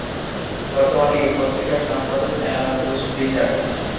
বর্তমানে এই পত্রিকার সম্পাদক অ্যালান রুসব্রিজার।